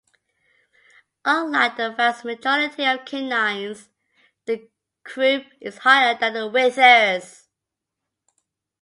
Unlike the vast majority of canines, the croup is higher than the withers.